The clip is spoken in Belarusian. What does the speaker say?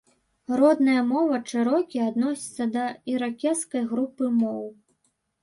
Родная мова чэрокі адносіцца да іракезскай групы моў.